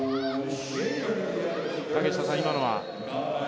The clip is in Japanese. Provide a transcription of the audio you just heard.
竹下さん、今のは？